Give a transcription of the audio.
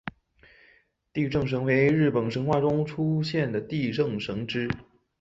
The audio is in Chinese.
地震神为日本神话中出现的地震神只。